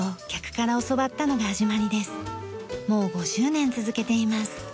もう５０年続けています。